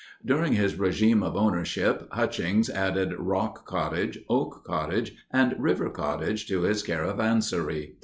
During his regime of ownership, Hutchings added Rock Cottage, Oak Cottage, and River Cottage to his caravansary.